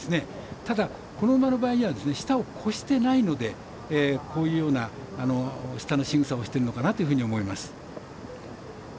ただ、この馬の場合舌を越してないのでこういうような舌のしぐさをしているのかなと思います。